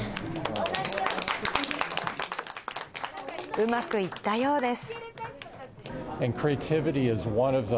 うまくいったようです。